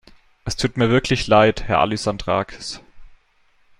Es tut mir wirklich Leid, Herr Alyssandrakis.